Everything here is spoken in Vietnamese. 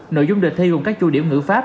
nội dung đề thi gồm các chua điểm ngữ pháp